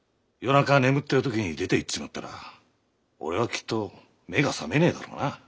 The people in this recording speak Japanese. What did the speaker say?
夜中眠ってる時に出ていっちまったら俺はきっと目が覚めねえだろうな。